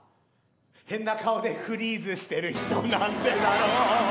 「変な顔でフリーズしてる人なんでだろう」